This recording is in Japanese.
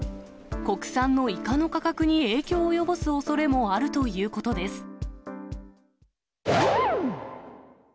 国産のいかの価格に影響を及ぼすおそれもあるということです。